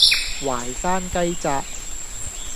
淮山雞扎